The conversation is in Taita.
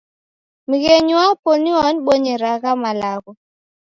Mghenyi wapo nio wanibonyera agha malagho